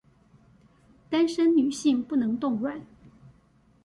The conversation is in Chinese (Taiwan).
單身女性不能凍卵